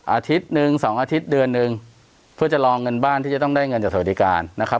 อาทิตย์หนึ่งสองอาทิตย์เดือนหนึ่งเพื่อจะรอเงินบ้านที่จะต้องได้เงินจากสวัสดิการนะครับ